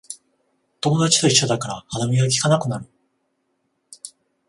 友達と一緒だから歯止めがきかなくなる